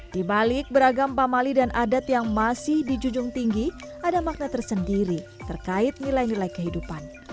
di balik beragam pamali dan adat yang masih dijujung tinggi ada makna tersendiri terkait nilai nilai kehidupan